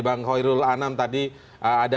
bang hoirul anam tadi ada